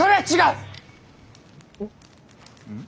うん？